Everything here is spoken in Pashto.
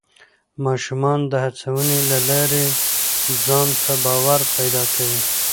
ماشومان د هڅونې له لارې ځان ته باور پیدا کوي